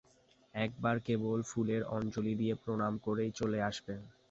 একবার কেবল ফুলের অঞ্জলি দিয়ে প্রণাম করেই চলে আসবেন।